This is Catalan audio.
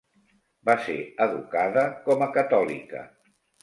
Va ser educada com a catòlica.